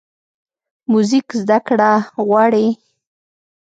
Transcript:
موزیک زدهکړه غواړي.